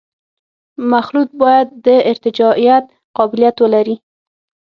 مخلوط باید د ارتجاعیت قابلیت ولري